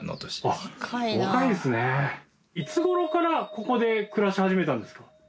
いつ頃からここで暮らし始めたんですか？